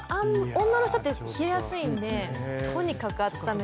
女の人って冷えやすいんでとにかくあっためて。